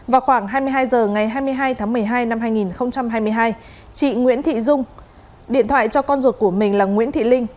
vào khoảng hai mươi hai h ngày hai mươi hai tháng một mươi hai năm hai nghìn hai mươi hai chị nguyễn thị dung điện thoại cho con ruột của mình là nguyễn thị linh